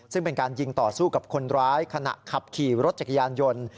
ซึ่งเป็นการยิงต่อสู้กับคนร้ายขณะขับขี่รถจักรยานยนต์